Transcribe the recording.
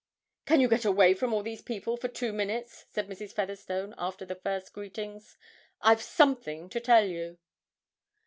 'Can you get away from all these people for two minutes?' said Mrs. Featherstone, after the first greetings; 'I've something to tell you.'